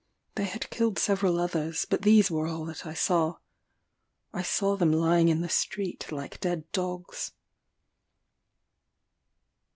They had killed several others, but these were all that I saw. I saw them lying in the street like dead dogs.